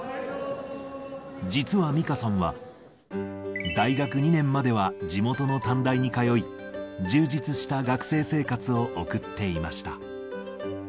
実はミカさんは、大学２年までは地元の短大に通い、充実した学生生活を送っていました。